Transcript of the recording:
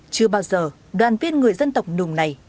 chưa bao giờ đoàn viên người dân tộc nùng này